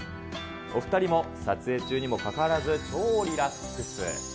お２人も撮影中にも関わらず、超リラックス。